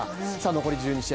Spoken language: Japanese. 残り１１試合